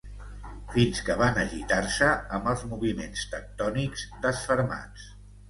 fins que van agitar-se amb els moviments tectònics desfermats